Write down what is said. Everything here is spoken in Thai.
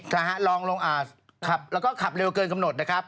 นะฮะลองลงอ่าขับแล้วก็ขับเร็วเกินกำหนดนะครับ